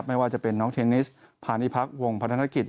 ไม่ว่าจะเป็นน้องเทนนิสพาณิพักษวงพัฒนกิจ